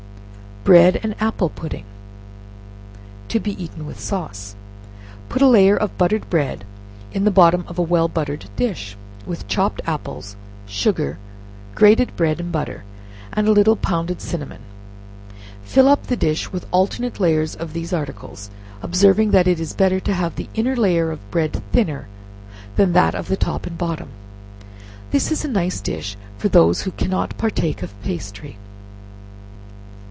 Bread and Apple Pudding. To be eaten with Sauce. Put a layer of buttered bread in the bottom of a well buttered dish, with chopped apples, sugar, grated bread and butter, and a little pounded cinnamon; fill up the dish with alternate layers of these articles, observing that it is better to have the inner layer of bread thinner than that of the top and bottom. This is a nice dish for those who cannot partake of pastry.